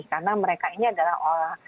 karena mereka ini adalah orang